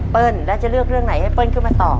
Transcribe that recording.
แล้วจะเลือกเรื่องไหนให้เปิ้ลขึ้นมาตอบ